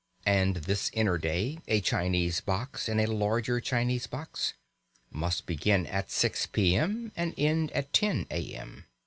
And this inner day, a Chinese box in a larger Chinese box, must begin at 6 p.m. and end at 10 a.m.